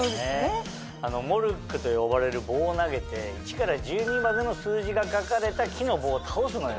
モルックと呼ばれる棒を投げて１から１２までの数字が書かれた木の棒を倒すのよ。